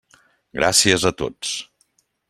Gràcies a tots.